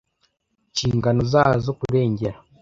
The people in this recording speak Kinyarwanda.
Nshingano zazo kurengera